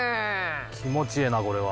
気持ちえぇなこれは。